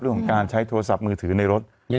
เรื่องของการใช้โทรศัพท์มือถือในรถ